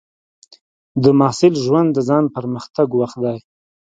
د محصل ژوند د ځان پرمختګ وخت دی.